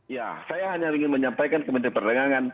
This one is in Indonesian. ya saya hanya ingin menyampaikan ke menteri perdagangan